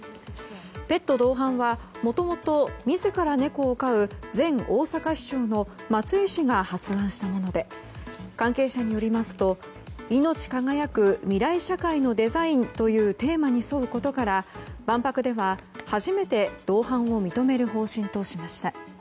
ペット同伴は、もともと自ら猫を飼う前大阪市長の松井氏が発案したもので関係者によりますと「いのち輝く未来社会のデザイン」というテーマに沿うことから万博では初めて同伴を認める方針としました。